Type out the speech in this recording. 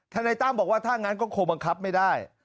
นายตั้มบอกว่าถ้างั้นก็คงบังคับไม่ได้